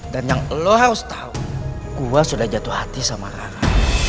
dan yang lo harus tahu gue sudah jatuh hati sama rara